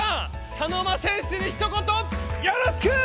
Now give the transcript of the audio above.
茶の間戦士に一言よろしく！